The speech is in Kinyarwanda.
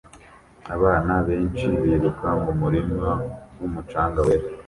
Abana benshi biruka mumurima wumucanga wera